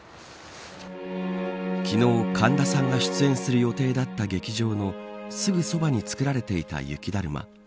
昨日、神田さんが出演する予定だった劇場のすぐそばに作られていた雪だるま。